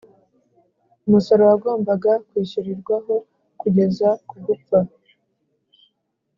umusoro wagombaga kwishyurirwaho kugeza ku gupfa